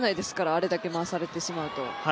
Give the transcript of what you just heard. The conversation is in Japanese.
あれだけ回されてしまうと。